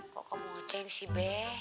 kok kemoceng sih be